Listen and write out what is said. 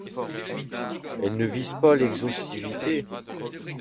Elle ne vise pas l'exhaustivité.